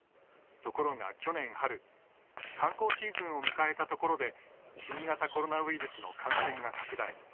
ところが去年春、観光シーズンを迎えたところで新型コロナウイルスの感染が拡大。